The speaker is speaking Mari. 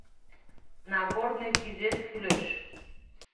Нагорный кӱзет кӱлеш.